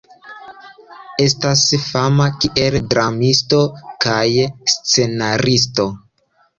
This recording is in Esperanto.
Estas fama kiel dramisto kaj scenaristo.